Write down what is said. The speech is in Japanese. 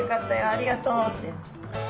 ありがとう」って。